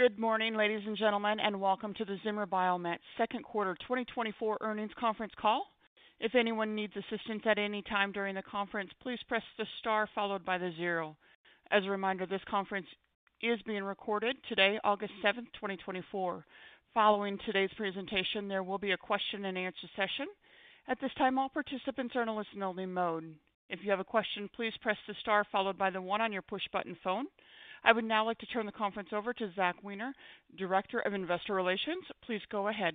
Good morning, ladies and gentlemen, and welcome to the Zimmer Biomet second quarter 2024 earnings conference call. If anyone needs assistance at any time during the conference, please press the star followed by the zero. As a reminder, this conference is being recorded today, August 7, 2024. Following today's presentation, there will be a question and answer session. At this time, all participants are in a listen-only mode. If you have a question, please press the star followed by the one on your push-button phone. I would now like to turn the conference over to Zach Weiner, Director of Investor Relations. Please go ahead.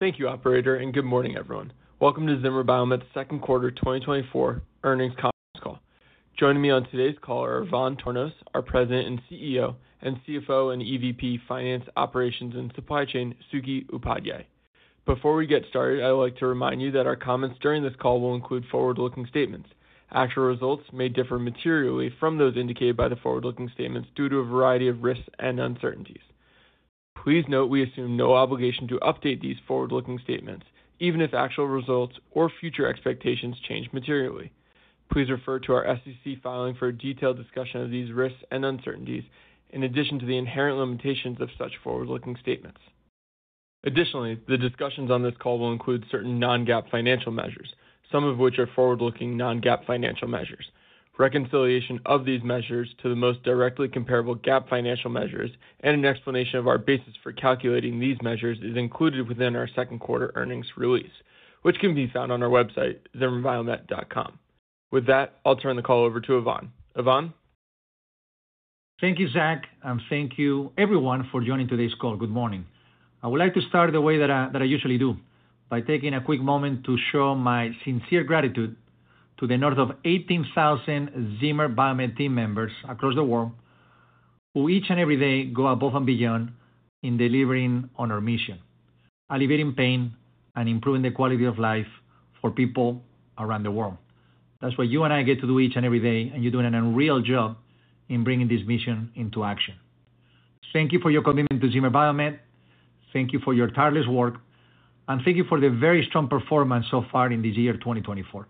Thank you, operator, and good morning, everyone. Welcome to Zimmer Biomet's second quarter 2024 earnings conference call. Joining me on today's call are Ivan Tornos, our President and CEO, and CFO and EVP, Finance, Operations, and Supply Chain, Sukhi Upadhyay. Before we get started, I would like to remind you that our comments during this call will include forward-looking statements. Actual results may differ materially from those indicated by the forward-looking statements due to a variety of risks and uncertainties. Please note, we assume no obligation to update these forward-looking statements, even if actual results or future expectations change materially. Please refer to our SEC filing for a detailed discussion of these risks and uncertainties, in addition to the inherent limitations of such forward-looking statements. Additionally, the discussions on this call will include certain non-GAAP financial measures, some of which are forward-looking non-GAAP financial measures. Reconciliation of these measures to the most directly comparable GAAP financial measures, and an explanation of our basis for calculating these measures is included within our second quarter earnings release, which can be found on our website, zimmerbiomet.com. With that, I'll turn the call over to Ivan. Ivan? Thank you, Zach, and thank you everyone for joining today's call. Good morning. I would like to start the way that I, that I usually do, by taking a quick moment to show my sincere gratitude to the north of 18,000 Zimmer Biomet team members across the world, who each and every day go above and beyond in delivering on our mission: alleviating pain and improving the quality of life for people around the world. That's what you and I get to do each and every day, and you're doing an unreal job in bringing this mission into action. Thank you for your commitment to Zimmer Biomet, thank you for your tireless work, and thank you for the very strong performance so far in this year, 2024.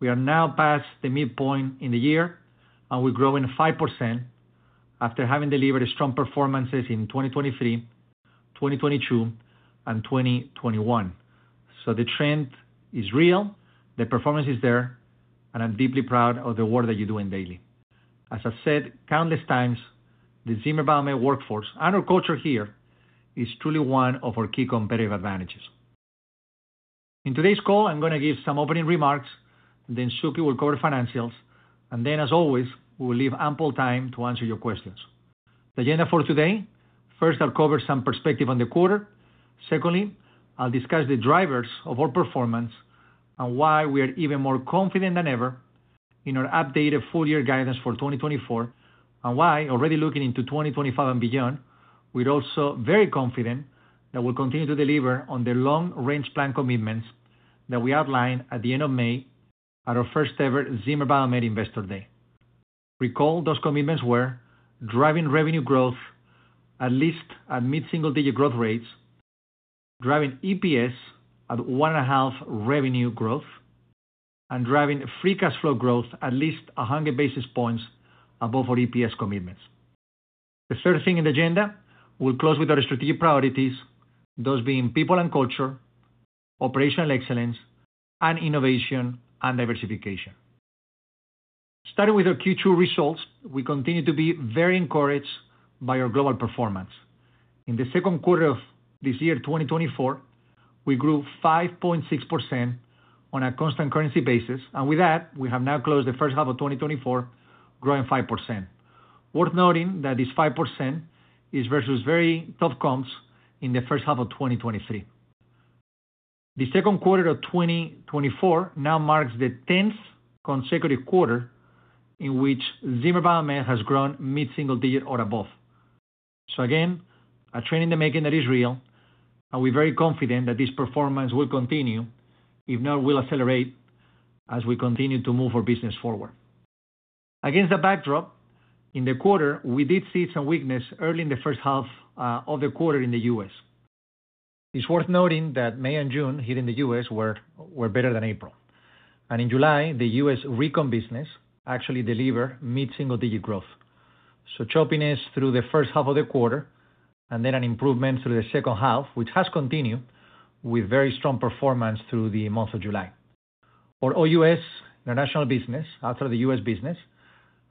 We are now past the midpoint in the year, and we're growing 5% after having delivered strong performances in 2023, 2022, and 2021. So the trend is real, the performance is there, and I'm deeply proud of the work that you're doing daily. As I've said countless times, the Zimmer Biomet workforce and our culture here is truly one of our key competitive advantages. In today's call, I'm gonna give some opening remarks, and then Sukhi will cover financials, and then, as always, we will leave ample time to answer your questions. The agenda for today: first, I'll cover some perspective on the quarter, secondly, I'll discuss the drivers of our performance and why we are even more confident than ever in our updated full-year guidance for 2024, and why, already looking into 2025 and beyond, we're also very confident that we'll continue to deliver on the long-range plan commitments that we outlined at the end of May at our first-ever Zimmer Biomet Investor Day. Recall, those commitments were driving revenue growth, at least at mid-single-digit growth rates, driving EPS at 1.5 revenue growth, and driving free cash flow growth at least 100 basis points above our EPS commitments. The third thing in the agenda, we'll close with our strategic priorities, those being people and culture, operational excellence, and innovation and diversification. Starting with our Q2 results, we continue to be very encouraged by our global performance. In the second quarter of this year, 2024, we grew 5.6% on a constant currency basis, and with that, we have now closed the first half of 2024, growing 5%. Worth noting that this 5% is versus very tough comps in the first half of 2023. The second quarter of 2024 now marks the tenth consecutive quarter in which Zimmer Biomet has grown mid-single digit or above. So again, a trend in the making that is real, and we're very confident that this performance will continue, if not, will accelerate as we continue to move our business forward. Against that backdrop, in the quarter, we did see some weakness early in the first half, of the quarter in the US. It's worth noting that May and June here in the U.S. were better than April, and in July, the U.S. Recon business actually delivered mid-single-digit growth. So choppiness through the first half of the quarter, and then an improvement through the second half, which has continued with very strong performance through the month of July. Our OUS, international business, outside of the U.S. business,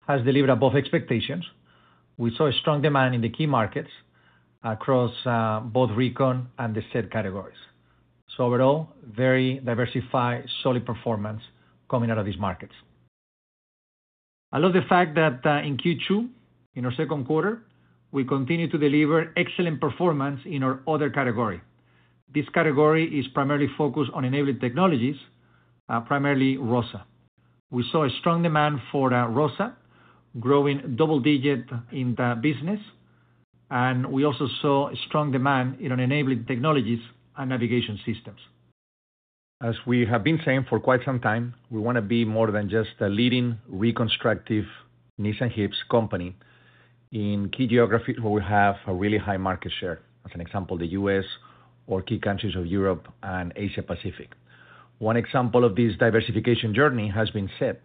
has delivered above expectations. We saw a strong demand in the key markets across, both Recon and the SET categories. So overall, very diversified, solid performance coming out of these markets. I love the fact that, in Q2, in our second quarter, we continued to deliver excellent performance in our other category. This category is primarily focused on enabling technologies, primarily ROSA. We saw a strong demand for ROSA, growing double-digit in the business, and we also saw a strong demand in enabling technologies and navigation systems. As we have been saying for quite some time, we wanna be more than just a leading reconstructive knees and hips company in key geographies where we have a really high market share, as an example, the U.S. or key countries of Europe and Asia Pacific. One example of this diversification journey has been SET.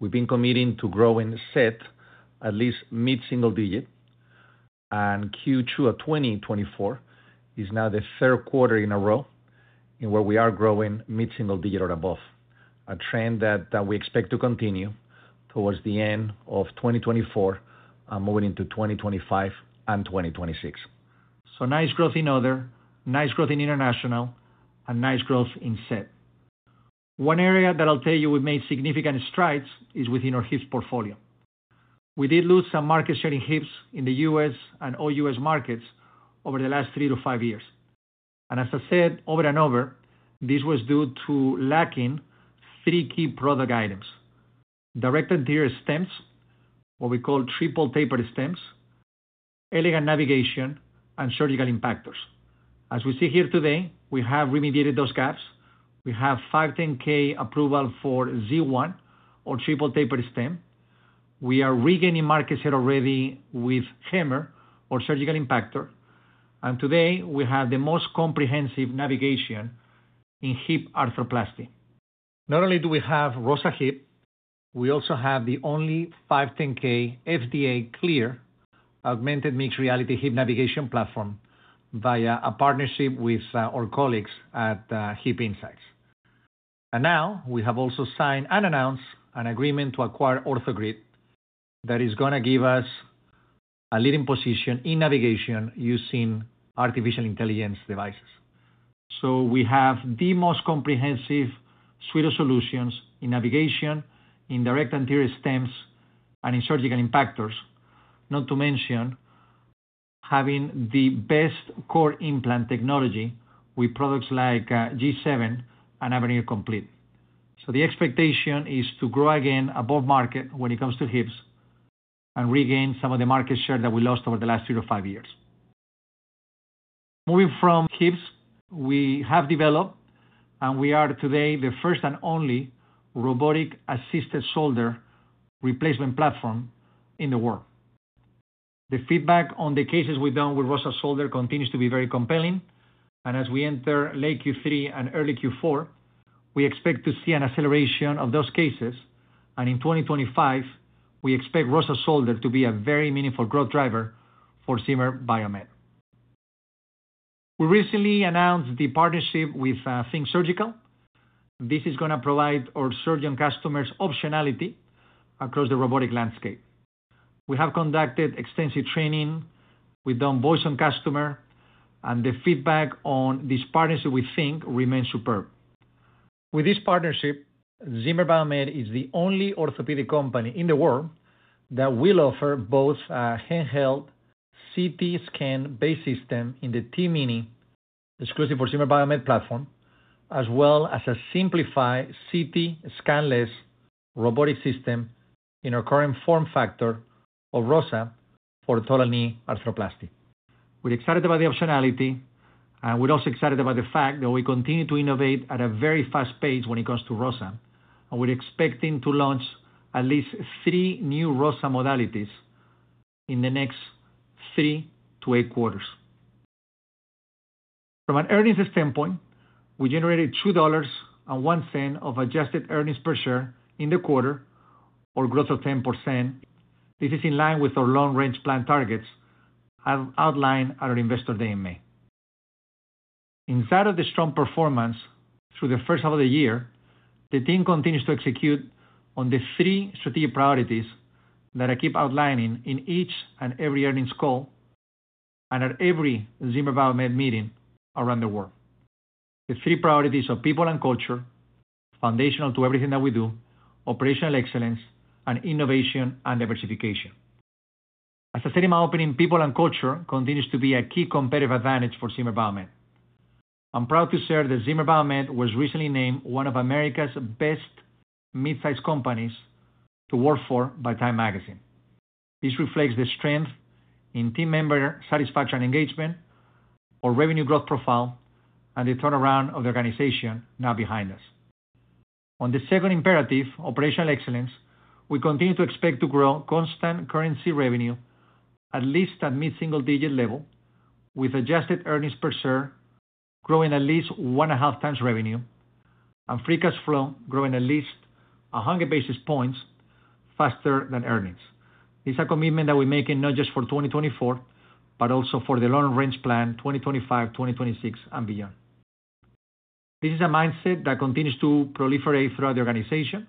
We've been committing to growing SET at least mid-single-digit, and Q2 of 2024 is now the third quarter in a row in where we are growing mid-single-digit or above. A trend that we expect to continue towards the end of 2024, and moving into 2025 and 2026. So nice growth in other, nice growth in international, and nice growth in SET. One area that I'll tell you we've made significant strides is within our hips portfolio. We did lose some market share in hips in the U.S. and all U.S. markets over the last three to five years. As I said, over and over, this was due to lacking three key product items: Direct Anterior stems, what we call triple tapered stems, elegant navigation, and surgical impactors. As we see here today, we have remediated those gaps. We have 510(k) approval for Z1, our triple tapered stem. We are regaining market share already with HAMR, our surgical impactor, and today we have the most comprehensive navigation in hip arthroplasty. Not only do we have ROSA Hip, we also have the only 510(k) FDA-cleared augmented mixed reality hip navigation platform, via a partnership with our colleagues at HipInsight. And now, we have also signed and announced an agreement to acquire OrthoGrid, that is gonna give us a leading position in navigation using artificial intelligence devices. So we have the most comprehensive suite of solutions in navigation, in direct anterior stems, and in surgical impactors. Not to mention, having the best core implant technology with products like G7 and Avenir Complete. So the expectation is to grow again above market when it comes to hips, and regain some of the market share that we lost over the last three to five years. Moving from hips, we have developed, and we are today, the first and only robotic-assisted shoulder replacement platform in the world. The feedback on the cases we've done with ROSA Shoulder continues to be very compelling, and as we enter late Q3 and early Q4, we expect to see an acceleration of those cases. In 2025, we expect ROSA Shoulder to be a very meaningful growth driver for Zimmer Biomet. We recently announced the partnership with THINK Surgical. This is gonna provide our surgeon customers optionality across the robotic landscape. We have conducted extensive training, we've done voice of customer, and the feedback on this partnership, we think, remains superb. With this partnership, Zimmer Biomet is the only orthopedic company in the world that will offer both handheld CT scan-based system in the TMINI, exclusive for Zimmer Biomet platform, as well as a simplified CT scan-less robotic system in our current form factor of ROSA for total knee arthroplasty. We're excited about the optionality, and we're also excited about the fact that we continue to innovate at a very fast pace when it comes to ROSA, and we're expecting to launch at least three new ROSA modalities in the next three to eight quarters. From an earnings standpoint, we generated $2.01 of adjusted earnings per share in the quarter, or growth of 10%. This is in line with our long-range plan targets I've outlined at our Investor Day in May. Inside of the strong performance through the first half of the year, the team continues to execute on the three strategic priorities that I keep outlining in each and every earnings call, and at every Zimmer Biomet meeting around the world. The three priorities are people and culture, foundational to everything that we do, operational excellence, and innovation and diversification. As I said in my opening, people and culture continues to be a key competitive advantage for Zimmer Biomet. I'm proud to share that Zimmer Biomet was recently named one of America's best mid-sized companies to work for by Time Magazine. This reflects the strength in team member satisfaction and engagement, our revenue growth profile, and the turnaround of the organization now behind us. On the second imperative, operational excellence, we continue to expect to grow constant currency revenue, at least at mid-single digit level, with adjusted earnings per share, growing at least 1.5x revenue, and free cash flow growing at least 100 basis points faster than earnings. This is a commitment that we're making not just for 2024, but also for the long range plan, 2025, 2026, and beyond. This is a mindset that continues to proliferate throughout the organization.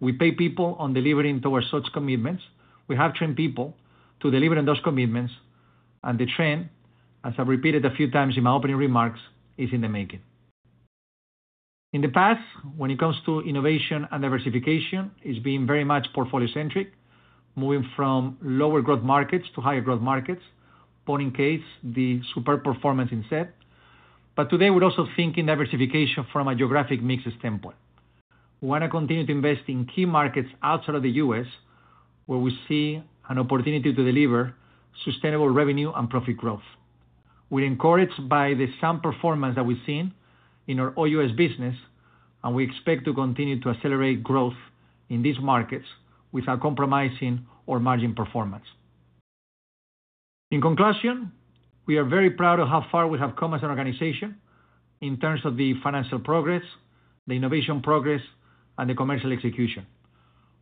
We pay people on delivering towards such commitments. We have trained people to deliver on those commitments, and the trend, as I've repeated a few times in my opening remarks, is in the making. In the past, when it comes to innovation and diversification, it's been very much portfolio-centric, moving from lower growth markets to higher growth markets. Point in case, the superb performance in SET. But today, we're also thinking diversification from a geographic mix standpoint. We wanna continue to invest in key markets outside of the U.S., where we see an opportunity to deliver sustainable revenue and profit growth. We're encouraged by the sound performance that we've seen in our OUS business, and we expect to continue to accelerate growth in these markets without compromising our margin performance.... In conclusion, we are very proud of how far we have come as an organization in terms of the financial progress, the innovation progress, and the commercial execution.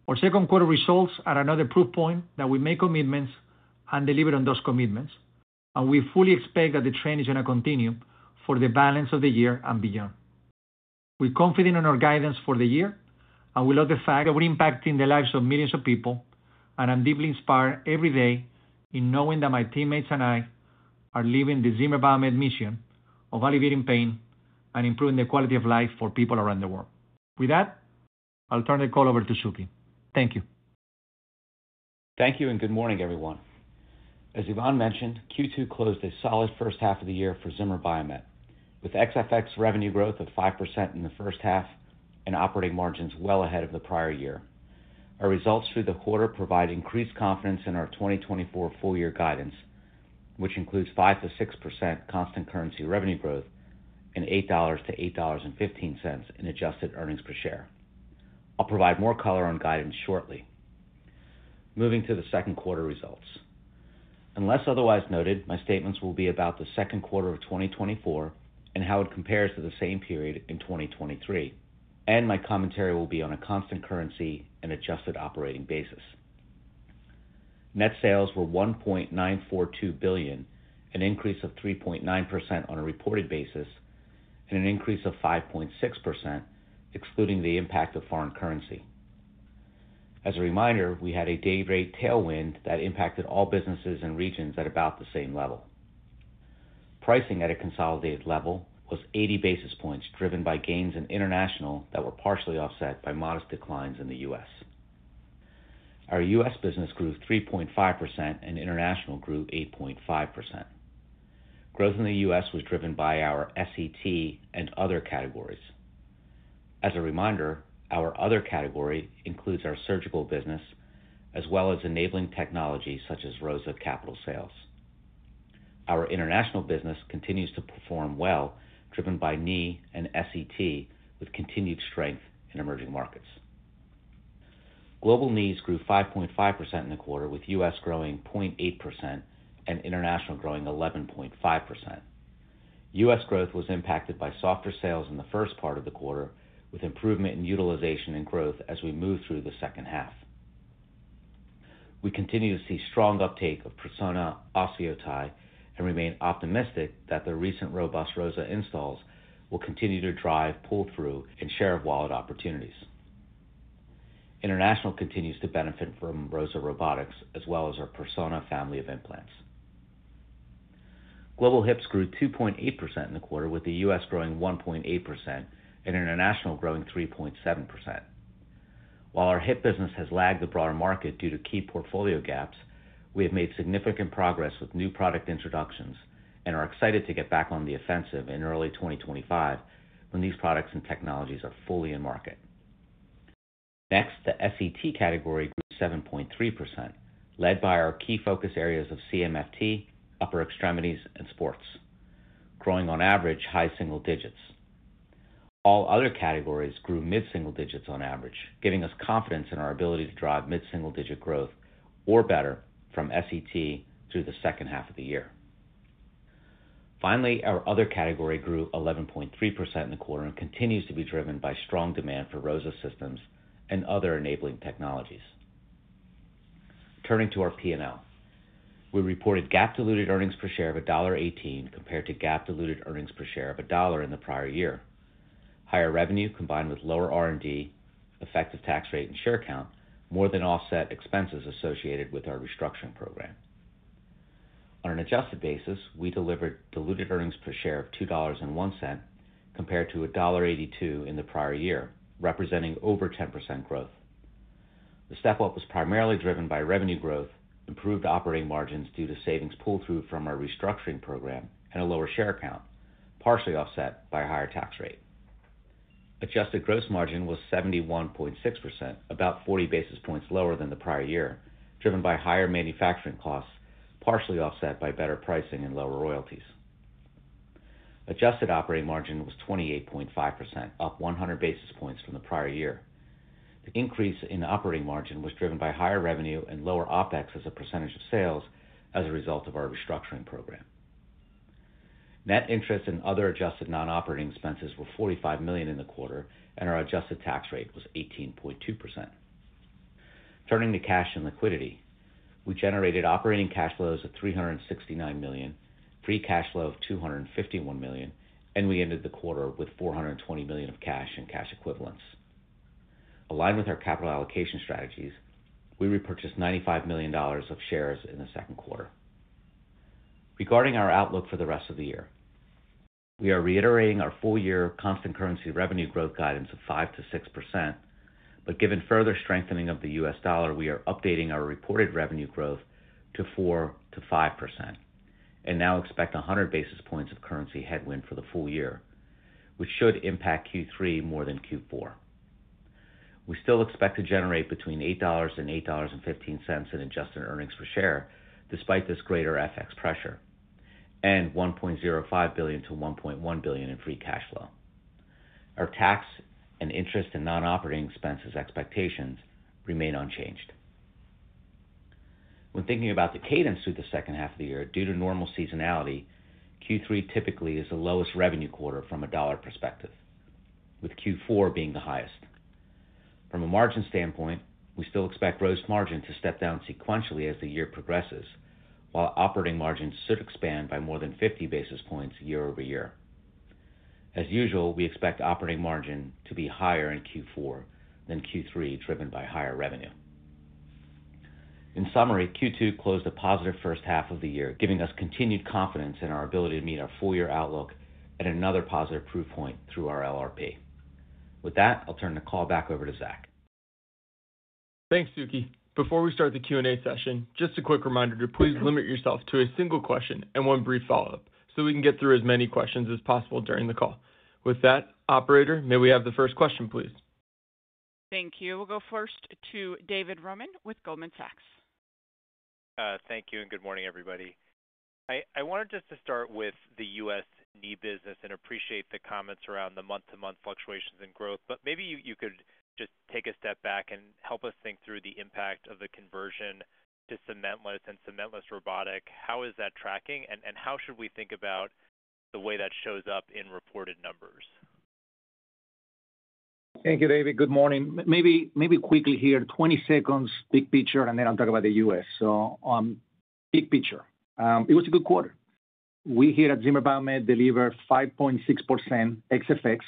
Our second quarter results are another proof point that we make commitments and deliver on those commitments, and we fully expect that the trend is going to continue for the balance of the year and beyond. We're confident in our guidance for the year, and we love the fact that we're impacting the lives of millions of people, and I'm deeply inspired every day in knowing that my teammates and I are living the Zimmer Biomet mission of alleviating pain and improving the quality of life for people around the world. With that, I'll turn the call over to Sukhi. Thank you. Thank you, and good morning, everyone. As Ivan mentioned, Q2 closed a solid first half of the year for Zimmer Biomet, with ex-FX revenue growth of 5% in the first half and operating margins well ahead of the prior year. Our results through the quarter provide increased confidence in our 2024 full-year guidance, which includes 5%-6% constant currency revenue growth and $8-$8.15 in adjusted earnings per share. I'll provide more color on guidance shortly. Moving to the second quarter results. Unless otherwise noted, my statements will be about the second quarter of 2024 and how it compares to the same period in 2023, and my commentary will be on a constant currency and adjusted operating basis. Net sales were $1.942 billion, an increase 3.9% on a reported basis, and an increase of 5.6%, excluding the impact of foreign currency. As a reminder, we had a day rate tailwind that impacted all businesses and regions at about the same level. Pricing at a consolidated level was 80 basis points, driven by gains in international that were partially offset by modest declines in the U.S. Our U.S. business 3.5%, and international grew 8.5%. Growth in the U.S. was driven by our SET and other categories. As a reminder, our other category includes our surgical business as well as enabling technologies such as ROSA capital sales. Our international business continues to perform well, driven by knee and SET, with continued strength in emerging markets. Global knees grew 5.5% in the quarter, with U.S. growing 0.8% and international growing 11.5%. U.S. growth was impacted by softer sales in the first part of the quarter, with improvement in utilization and growth as we move through the second half. We continue to see strong uptake of Persona OsseoTi and remain optimistic that the recent robust ROSA installs will continue to drive pull-through and share of wallet opportunities. International continues to benefit from ROSA Robotics as well as our Persona family of implants. Global hips grew 2.8% in the quarter, with the U.S. growing 1.8% and international growing 3.7%. While our hip business has lagged the broader market due to key portfolio gaps, we have made significant progress with new product introductions and are excited to get back on the offensive in early 2025 when these products and technologies are fully in market. Next, the SET category grew 7.3 %, led by our key focus areas of CMFT, upper extremities, and sports, growing on average high single digits. All other categories grew mid-single digits on average, giving us confidence in our ability to drive mid-single digit growth or better from SET through the second half of the year. Finally, our other category grew 11.3% in the quarter and continues to be driven by strong demand for ROSA systems and other enabling technologies. Turning to our PNL. We reported GAAP diluted earnings per share of $1.18, compared to GAAP diluted earnings per share of $1 in the prior year. Higher revenue, combined with lower R&D, effective tax rate, and share count, more than offset expenses associated with our restructuring program. On an adjusted basis, we delivered diluted earnings per share of $2.01, compared to $1.82 in the prior year, representing over 10% growth. The step-up was primarily driven by revenue growth, improved operating margins due to savings pull-through from our restructuring program, and a lower share count, partially offset by a higher tax rate. Adjusted gross margin was 71.6%, about 40 basis points lower than the prior year, driven by higher manufacturing costs, partially offset by better pricing and lower royalties. Adjusted operating margin was 28.5%, up 100 basis points from the prior year. The increase in operating margin was driven by higher revenue and lower OpEx as a percentage of sales as a result of our restructuring program. Net interest and other adjusted non-operating expenses were $45 million in the quarter, and our adjusted tax rate was 18.2%. Turning to cash and liquidity. We generated operating cash flows of $369 million, free cash flow of $251 million, and we ended the quarter with $420 million of cash in cash equivalents. Aligned with our capital allocation strategies, we repurchased $95 million of shares in the second quarter. Regarding our outlook for the rest of the year, we are reiterating our full-year constant currency revenue growth guidance of 5%-6%, but given further strengthening of the US dollar, we are updating our reported revenue growth to 4%-5% and now expect 100 basis points of currency headwind for the full-year, which should impact Q3 more than Q4. We still expect to generate between $8 and $8.15 in adjusted earnings per share, despite this greater FX pressure, and $1.05 billion-$1.1 billion in free cash flow.... Our tax and interest and non-operating expenses expectations remain unchanged. When thinking about the cadence through the second half of the year, due to normal seasonality, Q3 typically is the lowest revenue quarter from a dollar perspective, with Q4 being the highest. From a margin standpoint, we still expect gross margin to step down sequentially as the year progresses, while operating margins should expand by more than 50 basis points year-over-year. As usual, we expect operating margin to be higher in Q4 than Q3, driven by higher revenue. In summary, Q2 closed a positive first half of the year, giving us continued confidence in our ability to meet our full-year outlook and another positive proof point through our LRP. With that, I'll turn the call back over to Zach. Thanks, Sukhi. Before we start the Q&A session, just a quick reminder to please limit yourselves to a single question and one brief follow-up, so we can get through as many questions as possible during the call. With that, operator, may we have the first question, please? Thank you. We'll go first to David Roman with Goldman Sachs. Thank you, and good morning, everybody. I wanted just to start with the U.S. knee business and appreciate the comments around the month-to-month fluctuations in growth, but maybe you could just take a step back and help us think through the impact of the conversion to cementless and cementless robotic. How is that tracking, and how should we think about the way that shows up in reported numbers? Thank you, David. Good morning. Maybe, maybe quickly here, 20 seconds, big picture, and then I'll talk about the US. So, big picture. It was a good quarter. We here at Zimmer Biomet delivered 5.6% ex-FX.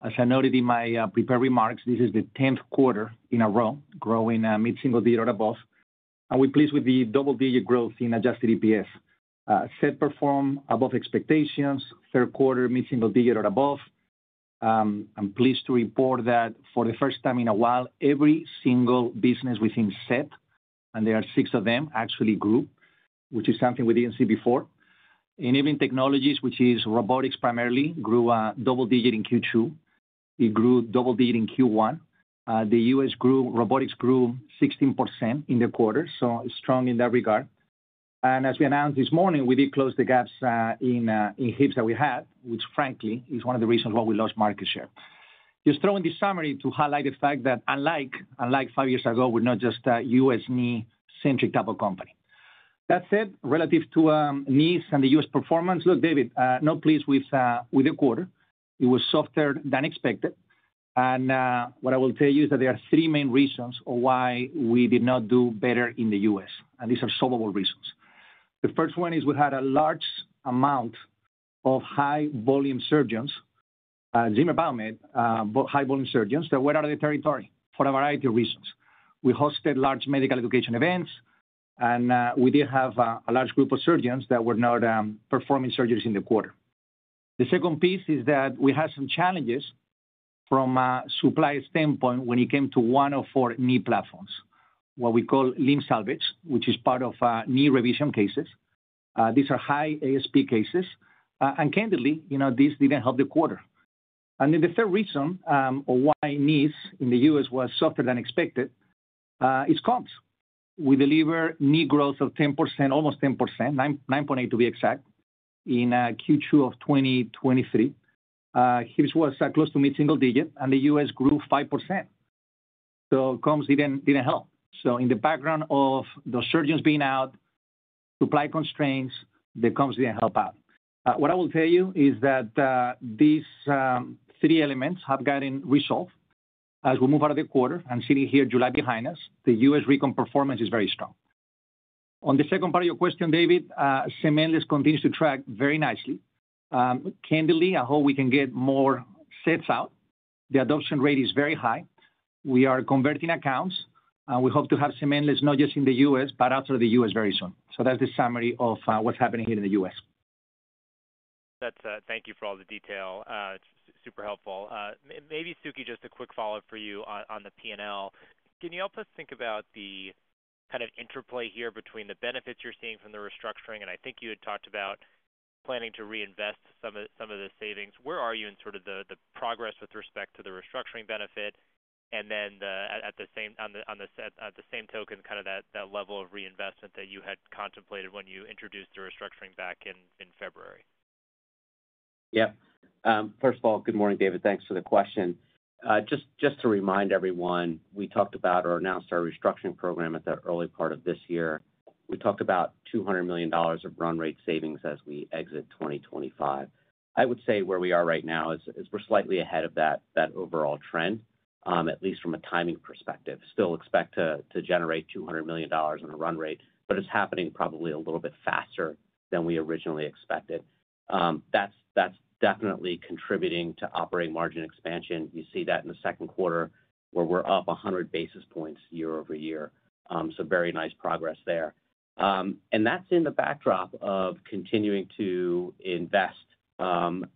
As I noted in my prepared remarks, this is the 10th quarter in a row growing mid-single digit or above, and we're pleased with the double-digit growth in adjusted EPS. SET performed above expectations, third quarter, mid-single digit or above. I'm pleased to report that for the first time in a while, every single business within SET, and there are six of them, actually grew, which is something we didn't see before. Enabling Technologies, which is robotics, primarily, grew double-digit in Q2. It grew double-digit in Q1. The US grew... Robotics grew 16% in the quarter, so strong in that regard. And as we announced this morning, we did close the gaps in hips that we had, which frankly, is one of the reasons why we lost market share. Just throwing this summary to highlight the fact that unlike five years ago, we're not just a U.S. knee-centric type of company. That said, relative to knees and the U.S. performance, look, David, not pleased with the quarter. It was softer than expected. What I will tell you is that there are three main reasons on why we did not do better in the U.S., and these are solvable reasons. The first one is we had a large amount of high-volume surgeons at Zimmer Biomet that were out of the territory for a variety of reasons. We hosted large medical education events, and we did have a large group of surgeons that were not performing surgeries in the quarter. The second piece is that we had some challenges from a supply standpoint when it came to one of our knee platforms, what we call limb salvage, which is part of knee revision cases. These are high ASP cases. And candidly, you know, this didn't help the quarter. And then the third reason why knees in the US was softer than expected is comps. We deliver knee growth of 10%, almost 10%, 9, 9.8, to be exact, in Q2 of 2023. Hips was close to mid-single digit, and the US grew 5%. So comps didn't help. So in the background of those surgeons being out, supply constraints, the comps didn't help out. What I will tell you is that these three elements have gotten resolved as we move out of the quarter. And sitting here, July behind us, the US recon performance is very strong. On the second part of your question, David, Cementless continues to track very nicely. Candidly, I hope we can get more sets out. The adoption rate is very high. We are converting accounts, and we hope to have Cementless not just in the US, but outside the US very soon. So that's the summary of what's happening here in the US. That's... Thank you for all the detail. It's super helpful. Maybe, Sukhi, just a quick follow-up for you on the PNL. Can you help us think about the kind of interplay here between the benefits you're seeing from the restructuring, and I think you had talked about planning to reinvest some of the savings. Where are you in sort of the progress with respect to the restructuring benefit, and then at the same, on the same token, kind of that level of reinvestment that you had contemplated when you introduced the restructuring back in February? Yeah. First of all, good morning, David. Thanks for the question. Just, just to remind everyone, we talked about or announced our restructuring program at the early part of this year. We talked about $200 million of run rate savings as we exit 2025. I would say where we are right now is, is we're slightly ahead of that, that overall trend, at least from a timing perspective. Still expect to, to generate $200 million in a run rate, but it's happening probably a little bit faster than we originally expected. That's, that's definitely contributing to operating margin expansion. You see that in the second quarter, where we're up 100 basis points year-over-year. So very nice progress there. And that's in the backdrop of continuing to invest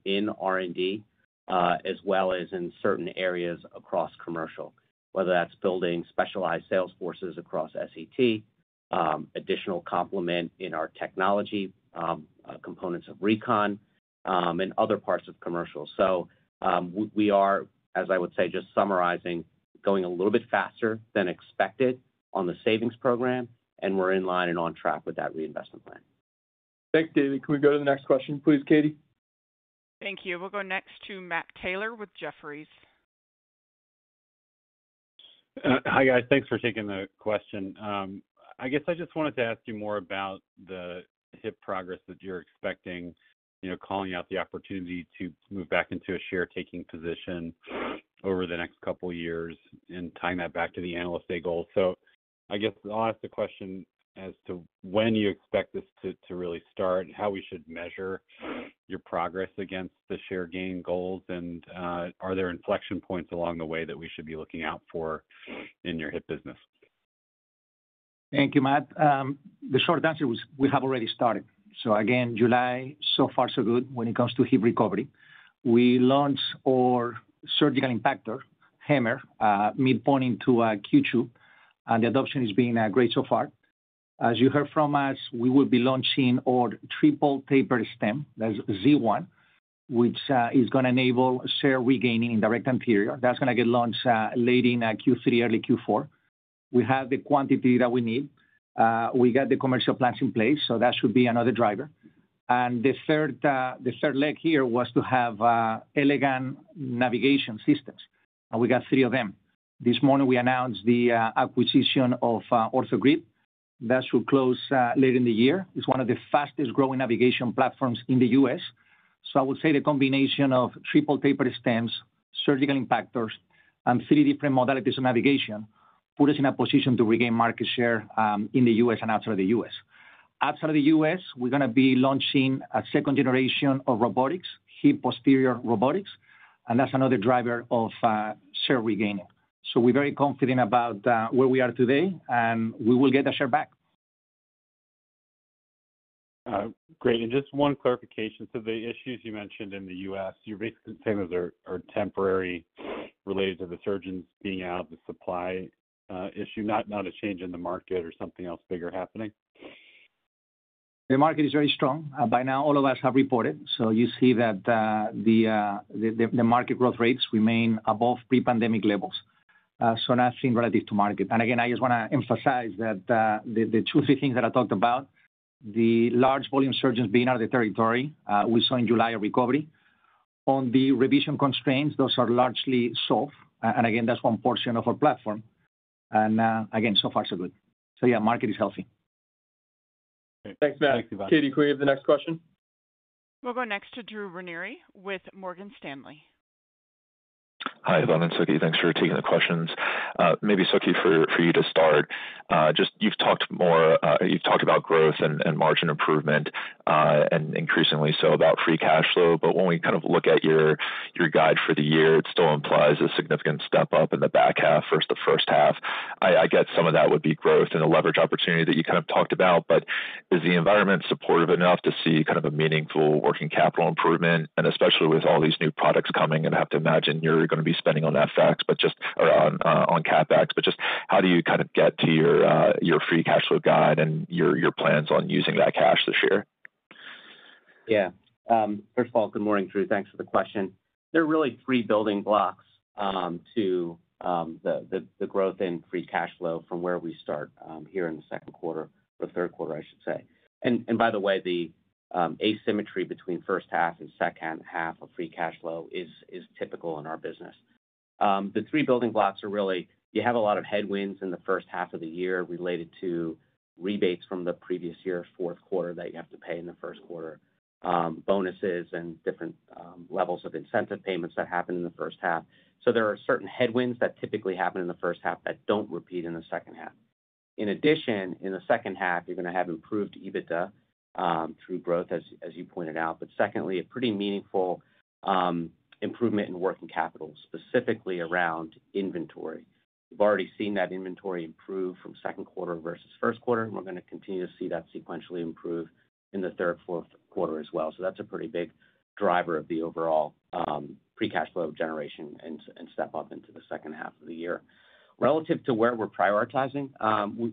in R&D, as well as in certain areas across commercial, whether that's building specialized sales forces across SET, additional complement in our technology, components of recon, and other parts of commercial. So, we are, as I would say, just summarizing, going a little bit faster than expected on the savings program, and we're in line and on track with that reinvestment plan.... Thanks, David. Can we go to the next question, please, Katie? Thank you. We'll go next to Matt Taylor with Jefferies. Hi, guys. Thanks for taking the question. I guess I just wanted to ask you more about the hip progress that you're expecting, you know, calling out the opportunity to move back into a share taking position over the next couple years and tying that back to the Analyst Day goal. So I guess I'll ask the question as to when you expect this to really start, and how we should measure your progress against the share gain goals, and are there inflection points along the way that we should be looking out for in your hip business? Thank you, Matt. The short answer was, we have already started. So again, July, so far, so good, when it comes to hip recovery. We launched our surgical impactor, HAMR, midpoint into Q2, and the adoption has been great so far. As you heard from us, we will be launching our triple tapered stem, that's Z1, which is gonna enable share regaining in Direct Anterior. That's gonna get launched late in Q3, early Q4. We have the quantity that we need. We got the commercial plans in place, so that should be another driver. And the third, the third leg here, was to have elegant navigation systems, and we got three of them. This morning, we announced the acquisition of OrthoGrid. That should close later in the year. It's one of the fastest growing navigation platforms in the U.S. So I would say the combination of triple tapered stems, surgical impactors, and three different modalities of navigation, put us in a position to regain market share, in the U.S. and outside the U.S. Outside of the U.S., we're gonna be launching a second generation of robotics, hip posterior robotics, and that's another driver of, share regaining. So we're very confident about, where we are today, and we will get the share back. Great. Just one clarification. So the issues you mentioned in the U.S., you're basically saying those are temporary, related to the surgeons being out, the supply issue, not a change in the market or something else bigger happening? The market is very strong. By now, all of us have reported. So you see that, the market growth rates remain above pre-pandemic levels, so nothing relative to market. And again, I just wanna emphasize that, the two, three things that I talked about, the large volume surgeons being out of the territory, we saw in July, a recovery. On the revision constraints, those are largely solved. And again, that's one portion of our platform, and, again, so far, so good. So yeah, market is healthy. Great. Thanks, Ivan. Katie, can we have the next question? We'll go next to Drew Ranieri with Morgan Stanley. Hi, Ivan and Sukhi, thanks for taking the questions. Maybe, Sukhi, for you to start. Just, you've talked more. You've talked about growth and margin improvement, and increasingly so about free cash flow. But when we kind of look at your guide for the year, it still implies a significant step up in the back half versus the first half. I get some of that would be growth and a leverage opportunity that you kind of talked about, but is the environment supportive enough to see kind of a meaningful working capital improvement? And especially with all these new products coming, and I have to imagine you're gonna be spending on that fact, but just around on CapEx. Just how do you kind of get to your Free Cash Flow guide and your plans on using that cash this year? Yeah. First of all, good morning, Drew. Thanks for the question. There are really three building blocks to the growth in free cash flow from where we start here in the second quarter or third quarter, I should say. By the way, the asymmetry between first half and second half of free cash flow is typical in our business. The three building blocks are really, you have a lot of headwinds in the first half of the year related to rebates from the previous year's fourth quarter that you have to pay in the first quarter. Bonuses and different levels of incentive payments that happen in the first half. So there are certain headwinds that typically happen in the first half that don't repeat in the second half. In addition, in the second half, you're gonna have improved EBITDA through growth, as you pointed out. But secondly, a pretty meaningful improvement in working capital, specifically around inventory. We've already seen that inventory improve from second quarter versus first quarter, and we're gonna continue to see that sequentially improve in the third, fourth quarter as well. So that's a pretty big driver of the overall free cash flow generation and step up into the second half of the year. Relative to where we're prioritizing,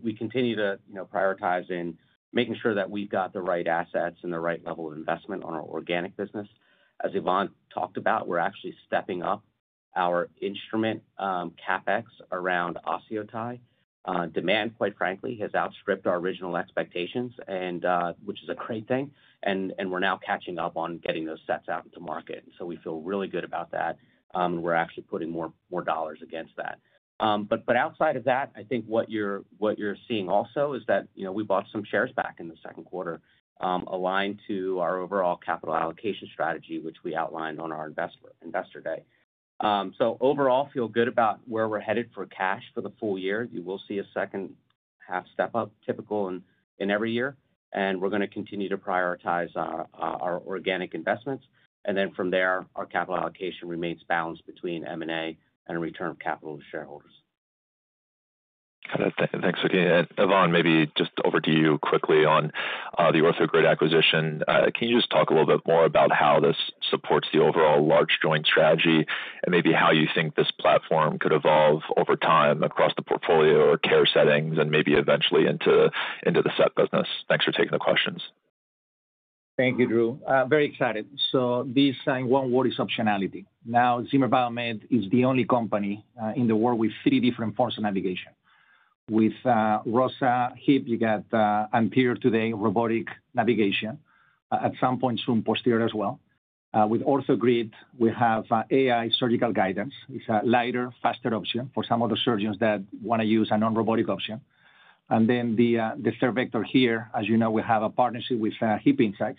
we continue to, you know, prioritize in making sure that we've got the right assets and the right level of investment on our organic business. As Ivan talked about, we're actually stepping up our instrument CapEx around OsseoTi. Demand, quite frankly, has outstripped our original expectations, and... Which is a great thing, and we're now catching up on getting those sets out into market. So we feel really good about that, and we're actually putting more dollars against that. But outside of that, I think what you're seeing also is that, you know, we bought some shares back in the second quarter, aligned to our overall capital allocation strategy, which we outlined on our Investor Day. So overall, feel good about where we're headed for cash for the full-year. You will see a second half step-up, typical in every year, and we're gonna continue to prioritize our organic investments. And then from there, our capital allocation remains balanced between M&A and return of capital to shareholders. Got it. Thanks, again. Ivan, maybe just over to you quickly on the OrthoGrid acquisition. Can you just talk a little bit more about how this supports the overall large joint strategy, and maybe how you think this platform could evolve over time across the portfolio or care settings, and maybe eventually into the SET business? Thanks for taking the questions. Thank you, Drew. Very excited. So this, in one word, is optionality. Now, Zimmer Biomet is the only company in the world with three different forms of navigation. With ROSA Hip, you got anterior today, robotic navigation. At some point soon, posterior as well. With OrthoGrid, we have AI surgical guidance. It's a lighter, faster option for some of the surgeons that wanna use a non-robotic option. And then the third vector here, as you know, we have a partnership with HipInsight,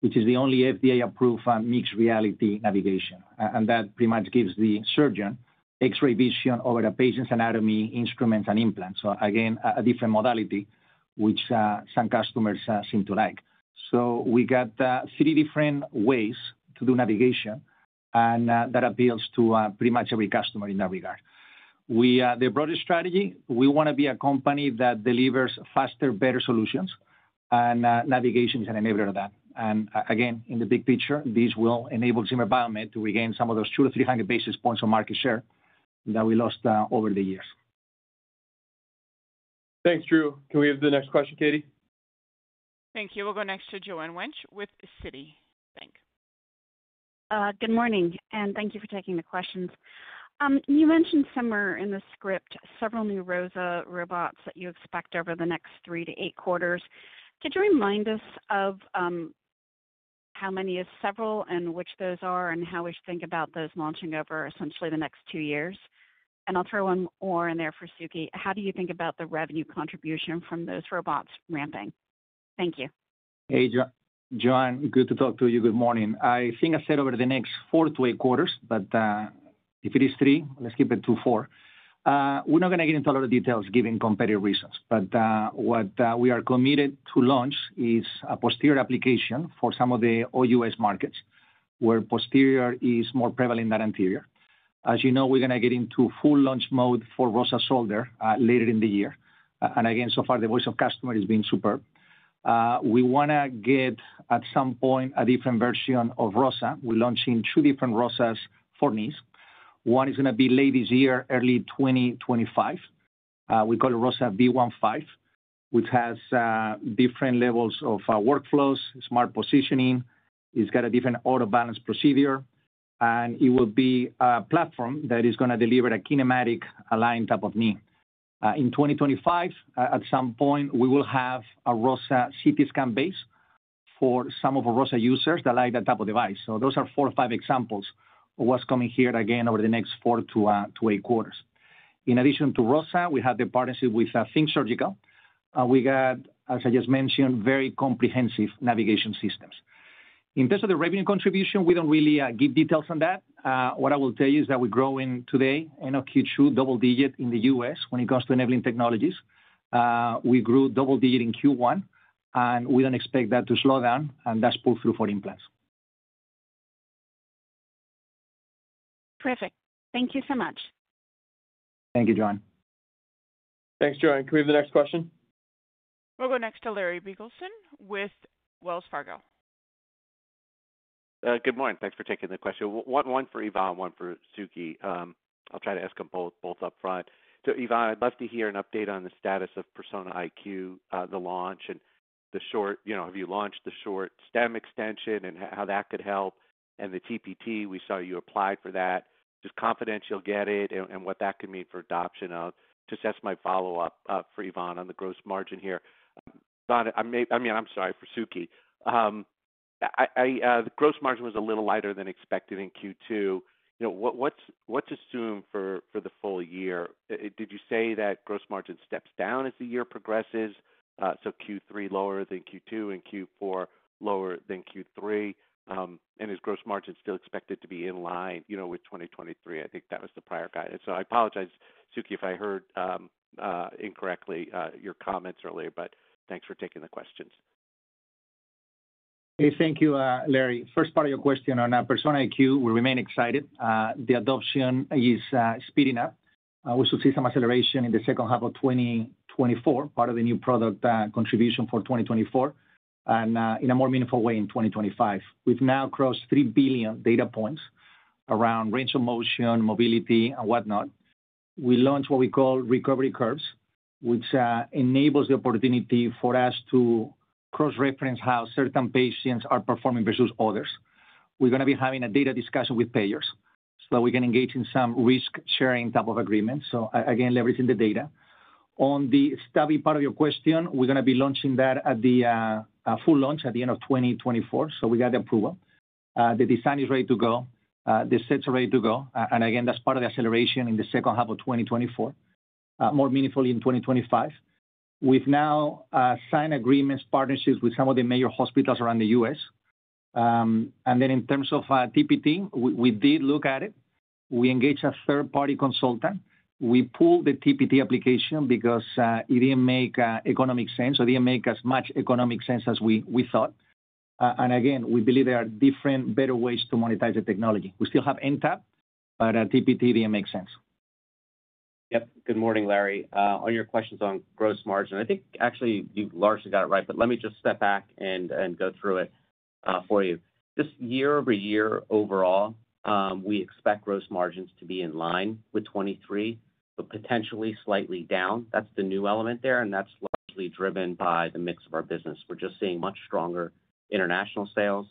which is the only FDA-approved mixed reality navigation. And that pretty much gives the surgeon X-ray vision over the patient's anatomy, instruments, and implants. So again, a different modality, which some customers seem to like. So we got three different ways to do navigation, and that appeals to pretty much every customer in that regard. We, the broader strategy, we wanna be a company that delivers faster, better solutions, and navigation is an enabler of that. And again, in the big picture, this will enable Zimmer Biomet to regain some of those 200-300 basis points of market share that we lost over the years. Thanks, Drew. Can we have the next question, Katie? Thank you. We'll go next to Joanne Wuensch with Citi. Good morning, and thank you for taking the questions. You mentioned somewhere in the script, several new ROSA robots that you expect over the next three to eight quarters. Could you remind us of, how many is several, and which those are, and how we should think about those launching over essentially the next two years? And I'll throw one more in there for Sukhi. How do you think about the revenue contribution from those robots ramping? Thank you. Hey, Joanne, good to talk to you. Good morning. I think I said over the next four to eight quarters, but, if it is three, let's keep it to four. We're not gonna get into a lot of details giving competitive reasons, but, what, we are committed to launch is a posterior application for some of the OUS markets, where posterior is more prevalent than anterior. As you know, we're gonna get into full launch mode for ROSA Shoulder, later in the year. And again, so far, the voice of customer is being superb. We wanna get, at some point, a different version of ROSA. We're launching 2 different ROSAs for knees. One is gonna be late this year, early 2025. We call it ROSA V15, which has, different levels of, workflows, smart positioning. It's got a different auto balance procedure, and it will be a platform that is gonna deliver a kinematic alignment type of knee. In 2025, at some point, we will have a ROSA CT scan-based for some of our ROSA users that like that type of device. So those are four or five examples of what's coming here, again, over the next four to eight quarters. In addition to ROSA, we have the partnership with THINK Surgical. We got, as I just mentioned, very comprehensive navigation systems. In terms of the revenue contribution, we don't really give details on that. What I will tell you is that we're growing today, end of Q2, double-digit in the U.S. when it comes to enabling technologies. We grew double digit in Q1, and we don't expect that to slow down, and that's pull through for implants. Perfect. Thank you so much. Thank you, Joanne. Thanks, Joanne. Can we have the next question? We'll go next to Larry Biegelsen with Wells Fargo. Good morning. Thanks for taking the question. One for Ivan, one for Sukhi. I'll try to ask them both up front. So Ivan, I'd love to hear an update on the status of Persona IQ, the launch and the short. You know, have you launched the short stem extension and how that could help? And the TPT, we saw you applied for that. Just confident you'll get it and what that could mean for adoption of. That's my follow-up for Ivan on the gross margin here. Done, I mean, I'm sorry, for Sukhi. The gross margin was a little lighter than expected in Q2. You know, what's assumed for the full-year? Did you say that gross margin steps down as the year progresses? So Q3 lower than Q2, and Q4 lower than Q3. And is gross margin still expected to be in line, you know, with 2023? I think that was the prior guide. So I apologize, Sukhi, if I heard incorrectly, your comments earlier, but thanks for taking the questions. Hey, thank you, Larry. First part of your question on Persona IQ, we remain excited. The adoption is speeding up. We should see some acceleration in the second half of 2024, part of the new product contribution for 2024, and in a more meaningful way, in 2025. We've now crossed three billion data points around range of motion, mobility and whatnot. We launched what we call recovery curves, which enables the opportunity for us to cross-reference how certain patients are performing versus others. We're gonna be having a data discussion with payers, so we can engage in some risk-sharing type of agreements. So again, leveraging the data. On the second part of your question, we're gonna be launching that at the full launch at the end of 2024. So we got the approval. The design is ready to go. The sets are ready to go. And again, that's part of the acceleration in the second half of 2024, more meaningfully in 2025. We've now signed agreements, partnerships with some of the major hospitals around the US. And then in terms of TPT, we did look at it. We engaged a third-party consultant. We pulled the TPT application because it didn't make economic sense, or didn't make as much economic sense as we thought. And again, we believe there are different, better ways to monetize the technology. We still have NTAP, but TPT didn't make sense. Yep. Good morning, Larry. On your questions on gross margin, I think actually you largely got it right, but let me just step back and go through it for you. Just year-over-year overall, we expect gross margins to be in line with 23%, but potentially slightly down. That's the new element there, and that's largely driven by the mix of our business. We're just seeing much stronger international sales,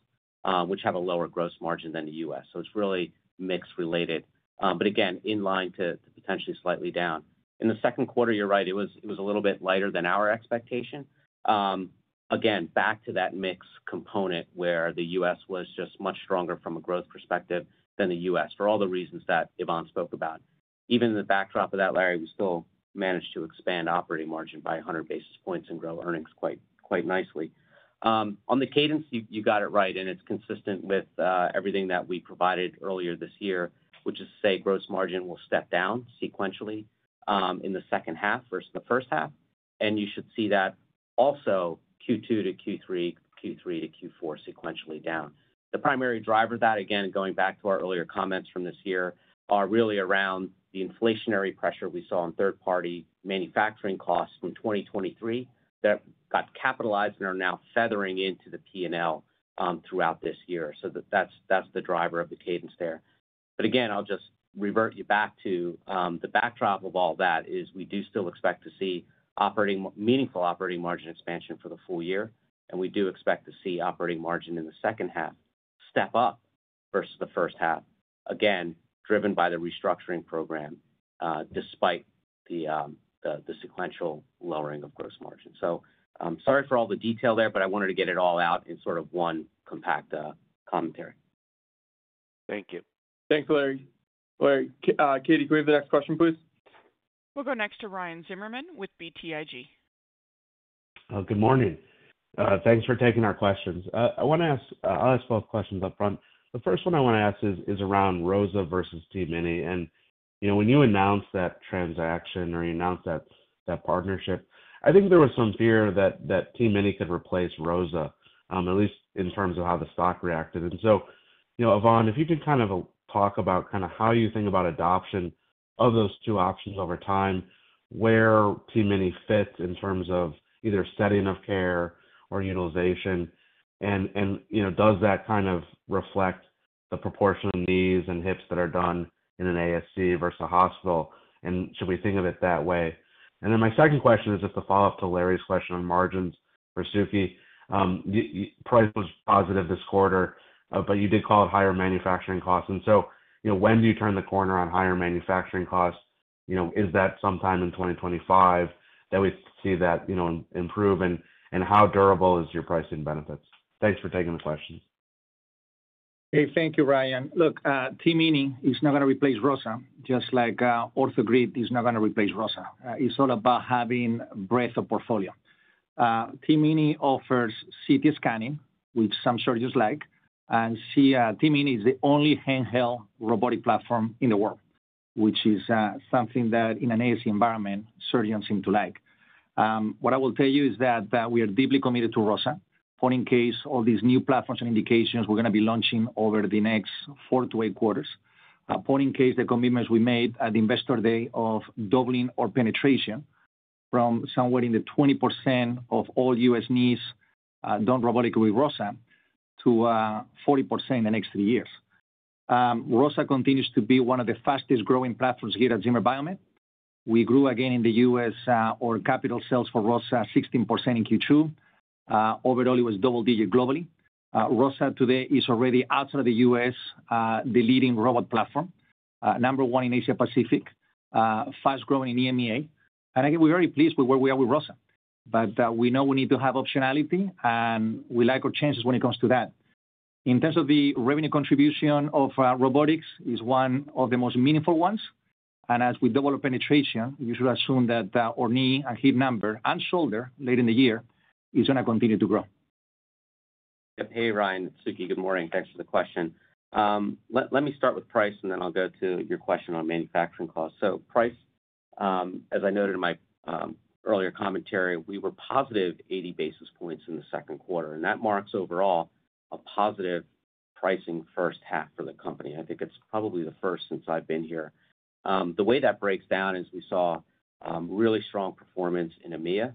which have a lower gross margin than the US. So it's really mix related, but again, in line to potentially slightly down. In the second quarter, you're right, it was a little bit lighter than our expectation. Again, back to that mix component where the US was just much stronger from a growth perspective than the US, for all the reasons that Ivan spoke about. Even in the backdrop of that, Larry, we still managed to expand operating margin by 100 basis points and grow earnings quite, quite nicely. On the cadence, you got it right, and it's consistent with everything that we provided earlier this year, which is to say, gross margin will step down sequentially in the second half versus the first half. And you should see that also Q2 to Q3, Q3 to Q4, sequentially down. The primary driver of that, again, going back to our earlier comments from this year, are really around the inflationary pressure we saw on third-party manufacturing costs from 2023, that got capitalized and are now feathering into the P&L throughout this year. So that's the driver of the cadence there. But again, I'll just revert you back to the backdrop of all that, is we do still expect to see meaningful operating margin expansion for the full-year, and we do expect to see operating margin in the second half step up versus the first half, again, driven by the restructuring program, despite the sequential lowering of gross margin. So, I'm sorry for all the detail there, but I wanted to get it all out in sort of one compact commentary. Thank you. Thanks, Larry. Larry, Katie, can we have the next question, please? We'll go next to Ryan Zimmerman with BTIG. Good morning. Thanks for taking our questions. I want to ask, I'll ask both questions up front. The first one I want to ask is around ROSA versus TMINI. And, you know, when you announced that transaction or you announced that partnership, I think there was some fear that TMINI could replace ROSA, at least in terms of how the stock reacted. And so, you know, Ivan, if you could kind of talk about kind of how you think about adoption of those two options over time, where TMINI fits in terms of either setting of care or utilization? And, you know, does that kind of reflect the proportion of knees and hips that are done in an ASC versus a hospital, and should we think of it that way? Then my second question is just a follow-up to Larry's question on margins for Sukhi. Your price was positive this quarter, but you did call out higher manufacturing costs. So, you know, when do you turn the corner on higher manufacturing costs? You know, is that sometime in 2025 that we see that, you know, improve, and how durable is your pricing benefits? Thanks for taking the questions. Hey, thank you, Ryan. Look, TMINI is not going to replace ROSA, just like, OrthoGrid is not going to replace ROSA. It's all about having breadth of portfolio. TMINI offers CT scanning, which some surgeons like, and C- TMINI is the only handheld robotic platform in the world, which is, something that, in an ASC environment, surgeons seem to like. What I will tell you is that, that we are deeply committed to ROSA. Point in case, all these new platforms and indications we're going to be launching over the next four to eight quarters. Point in case, the commitments we made at the Investor Day of doubling our penetration from somewhere in the 20% of all U.S. knees, done robotically with ROSA, to, 40% in the next three years. ROSA continues to be one of the fastest-growing platforms here at Zimmer Biomet. We grew again in the U.S., our capital sales for ROSA 16% in Q2. Overall, it was double-digit globally. ROSA today is already outside of the U.S., the leading robot platform, number one in Asia Pacific, fast growing in EMEA. And again, we're very pleased with where we are with ROSA, but we know we need to have optionality, and we like our chances when it comes to that. In terms of the revenue contribution of robotics is one of the most meaningful ones, and as we develop penetration, you should assume that our knee and hip number, and shoulder, late in the year, is going to continue to grow. Hey, Ryan. Sukhi. Good morning. Thanks for the question. Let me start with price, and then I'll go to your question on manufacturing costs. So price, as I noted in my earlier commentary, we were positive 80 basis points in the second quarter, and that marks overall a positive pricing first half for the company. I think it's probably the first since I've been here. The way that breaks down is we saw really strong performance in EMEA.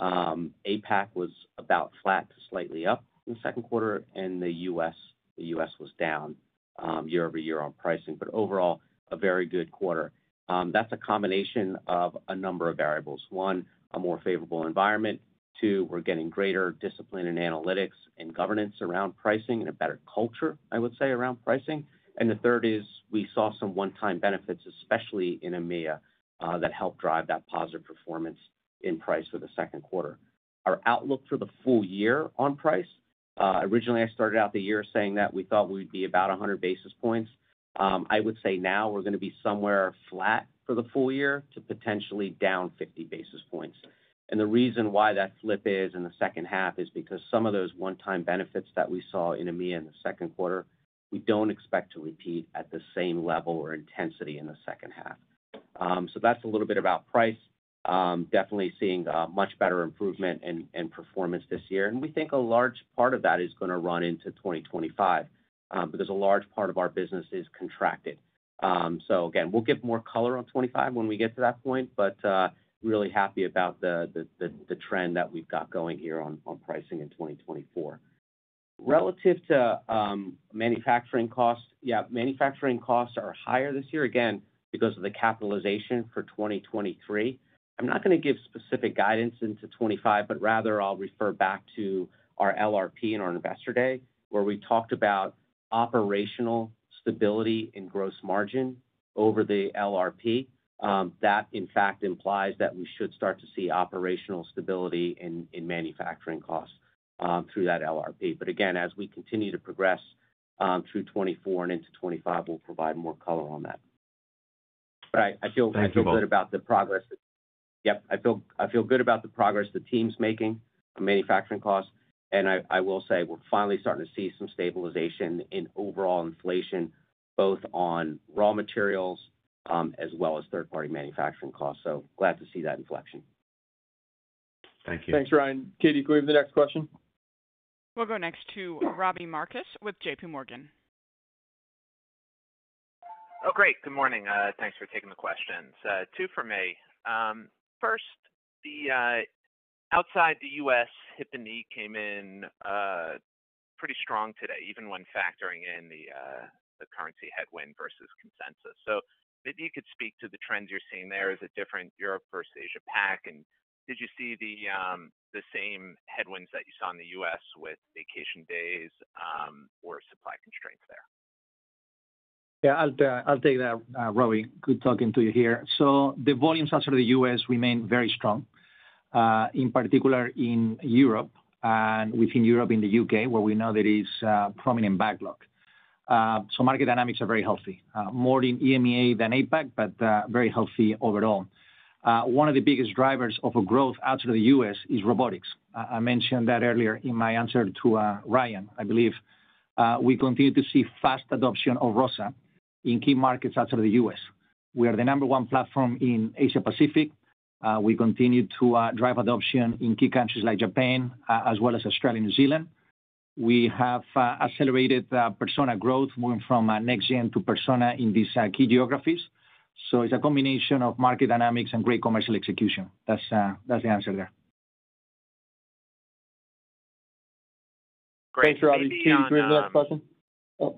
APAC was about flat to slightly up in the second quarter, and the US, the US was down year-over-year on pricing. But overall, a very good quarter. That's a combination of a number of variables. One, a more favorable environment. Two, we're getting greater discipline and analytics and governance around pricing, and a better culture, I would say, around pricing. And the third is, we saw some one-time benefits, especially in EMEA, that helped drive that positive performance in price for the second quarter. Our outlook for the full-year on price, originally I started out the year saying that we thought we'd be about 100 basis points. I would say now we're going to be somewhere flat for the full-year to potentially down 50 basis points. And the reason why that flip is in the second half is because some of those one-time benefits that we saw in EMEA in the second quarter, we don't expect to repeat at the same level or intensity in the second half. So that's a little bit about price. Definitely seeing much better improvement and performance this year, and we think a large part of that is going to run into 2025, because a large part of our business is contracted. So again, we'll give more color on 2025 when we get to that point, but really happy about the trend that we've got going here on pricing in 2024.... Relative to manufacturing costs, yeah, manufacturing costs are higher this year, again, because of the capitalization for 2023. I'm not gonna give specific guidance into 2025, but rather I'll refer back to our LRP and our Investor Day, where we talked about operational stability and gross margin over the LRP. That, in fact, implies that we should start to see operational stability in manufacturing costs through that LRP. But again, as we continue to progress through 2024 and into 2025, we'll provide more color on that. But I, I feel- Thank you, Bob. I feel good about the progress. Yep, I feel good about the progress the team's making on manufacturing costs, and I will say we're finally starting to see some stabilization in overall inflation, both on raw materials, as well as third-party manufacturing costs. So glad to see that inflection. Thank you. Thanks, Ryan. Katie, can we have the next question? We'll go next to Robbie Marcus with J.P. Morgan. Oh, great. Good morning. Thanks for taking the questions. Two for me. First, the outside the U.S., hip and knee came in pretty strong today, even when factoring in the the currency headwind versus consensus. So maybe you could speak to the trends you're seeing there. Is it different Europe versus Asia Pac, and did you see the the same headwinds that you saw in the U.S. with vacation days, or supply constraints there? Yeah, I'll take that, Robbie. Good talking to you here. So the volumes outside of the U.S. remain very strong, in particular in Europe and within Europe, in the U.K., where we know there is prominent backlog. So market dynamics are very healthy, more in EMEA than APAC, but very healthy overall. One of the biggest drivers of growth out of the U.S. is robotics. I mentioned that earlier in my answer to Ryan. I believe we continue to see fast adoption of ROSA in key markets outside of the U.S. We are the number one platform in Asia Pacific. We continue to drive adoption in key countries like Japan, as well as Australia and New Zealand. We have accelerated Persona growth, moving from NexGen to Persona in these key geographies. So it's a combination of market dynamics and great commercial execution. That's, that's the answer there. Great. Thanks, Robbie. Can you give me the next question? Oh,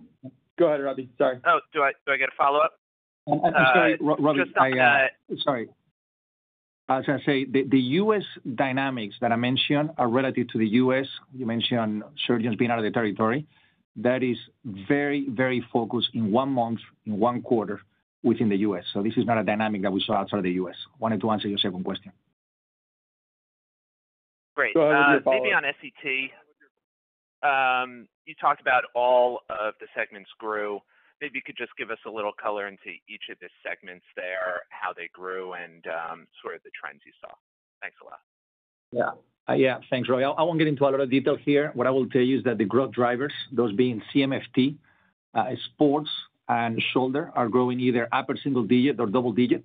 go ahead, Robbie. Sorry. Oh, do I, do I get a follow-up? Sorry, Robbie, I Just on, Sorry. I was gonna say, the U.S. dynamics that I mentioned are relative to the U.S. You mentioned surgeons being out of the territory. That is very, very focused in one month, in one quarter within the U.S. So this is not a dynamic that we saw outside of the U.S. Wanted to answer your second question. Great. Go ahead with your follow-up. Maybe on SET, you talked about all of the segments grew. Maybe you could just give us a little color into each of the segments there, how they grew, and sort of the trends you saw. Thanks a lot. Yeah. Yeah, thanks, Robbie. I won't get into a lot of detail here. What I will tell you is that the growth drivers, those being CMFT, sports and shoulder, are growing either upper single digit or double digit.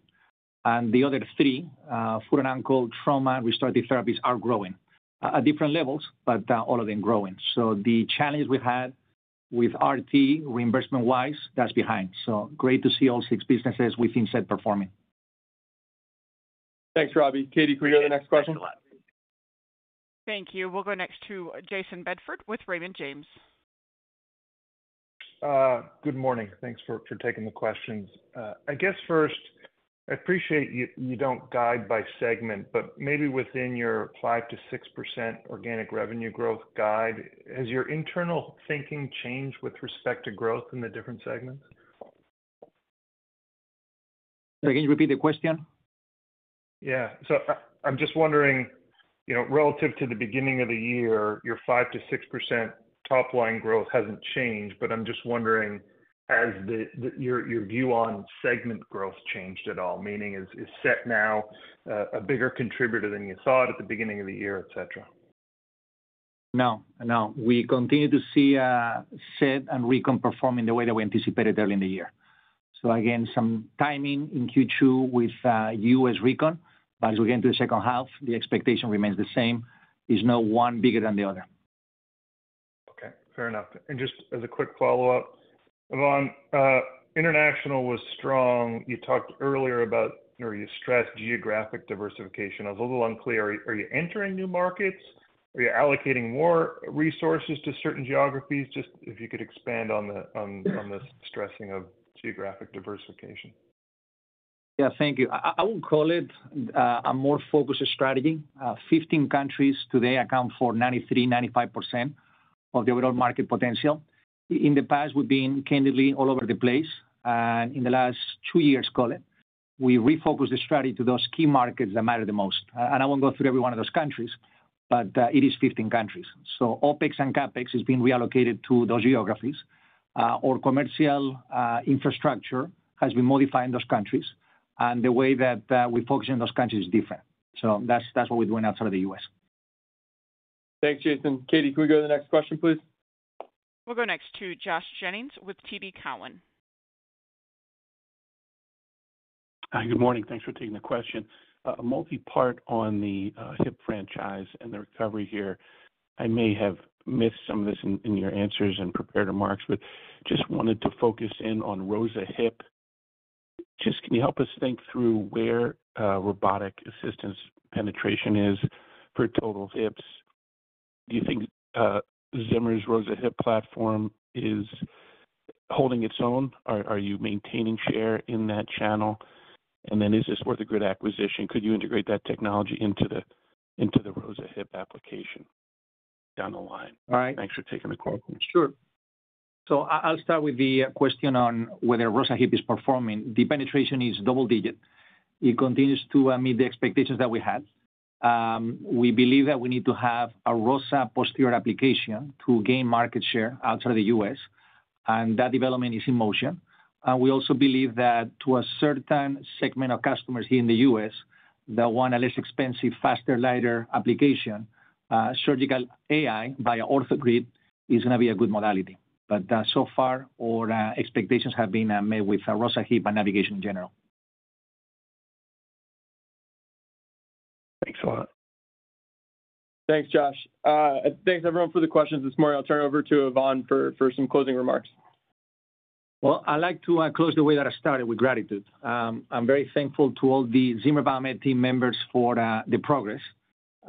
And the other three, foot and ankle, trauma, restorative therapies, are growing at different levels, but all of them growing. So the challenge we had with RT, reimbursement-wise, that's behind. So great to see all six businesses within SET performing. Thanks, Robbie. Katie, could we go to the next question? Thanks a lot. Thank you. We'll go next to Jason Bedford with Raymond James. Good morning. Thanks for taking the questions. I guess first, I appreciate you don't guide by segment, but maybe within your 5%-6% organic revenue growth guide, has your internal thinking changed with respect to growth in the different segments? Sorry, can you repeat the question? Yeah. So I'm just wondering, you know, relative to the beginning of the year, your 5%-6% top line growth hasn't changed, but I'm just wondering, has your view on segment growth changed at all? Meaning, is SET now a bigger contributor than you thought at the beginning of the year, et cetera? No, no. We continue to see SET and Recon performing the way that we anticipated early in the year. So again, some timing in Q2 with US Recon, but as we get into the second half, the expectation remains the same. There's no one bigger than the other. Okay, fair enough. And just as a quick follow-up, Ivan, international was strong. You talked earlier about, or you stressed geographic diversification. I was a little unclear, are you, are you entering new markets? Are you allocating more resources to certain geographies? Just if you could expand on this stressing of geographic diversification. Yeah. Thank you. I, I would call it a more focused strategy. Fifteen countries today account for 93 %-95% of the overall market potential. In the past, we've been candidly all over the place, and in the last 2 years, call it, we refocused the strategy to those key markets that matter the most. And I won't go through every one of those countries, but it is 15 countries. So OpEx and CapEx is being reallocated to those geographies. Our commercial infrastructure has been modified in those countries, and the way that we focus in those countries is different. So that's, that's what we're doing outside of the U.S. Thanks, Jason. Katie, can we go to the next question, please? We'll go next to Josh Jennings with TD Cowen. Good morning. Thanks for taking the question. A multi-part on the hip franchise and the recovery here. I may have missed some of this in your answers and prepared remarks, but just wanted to focus in on ROSA Hip. Just can you help us think through where robotic assistance penetration is for total hips? Do you think Zimmer's ROSA Hip platform is holding its own? Are you maintaining share in that channel? And then is this OrthoGrid acquisition? Could you integrate that technology into the ROSA Hip application down the line? All right. Thanks for taking the call. Sure. So, I'll start with the question on whether ROSA Hip is performing. The penetration is double digit. It continues to meet the expectations that we had. We believe that we need to have a ROSA posterior application to gain market share outside of the US, and that development is in motion. And we also believe that to a certain segment of customers here in the US, that want a less expensive, faster, lighter application, surgical AI by OrthoGrid is gonna be a good modality. But, so far, all our expectations have been met with ROSA Hip and navigation in general. Thanks a lot. Thanks, Josh. Thanks everyone for the questions this morning. I'll turn it over to Ivan for some closing remarks. Well, I'd like to close the way that I started, with gratitude. I'm very thankful to all the Zimmer Biomet team members for the progress.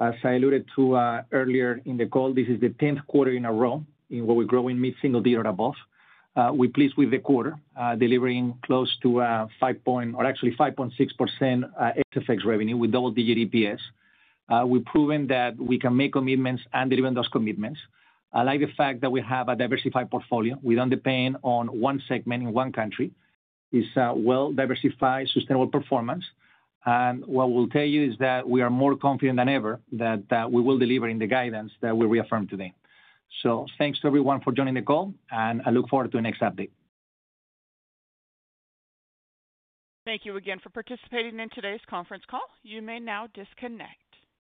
As I alluded to earlier in the call, this is the 10th quarter in a row in where we're growing mid-single digit or above. We're pleased with the quarter delivering close to five point... Or actually 5.6% ex-FX revenue with double digit EPS. We've proven that we can make commitments and deliver those commitments. I like the fact that we have a diversified portfolio. We don't depend on one segment in one country. It's a well-diversified, sustainable performance. And what we'll tell you is that we are more confident than ever that we will deliver in the guidance that we reaffirm today. Thanks to everyone for joining the call, and I look forward to the next update. Thank you again for participating in today's conference call. You may now disconnect.